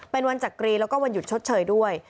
เป็นวันจักรีแล้วก็วันหยุดชดเชยด้วย